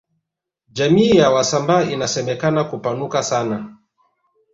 jamii ya wasambaa inasemekana kupanuka sana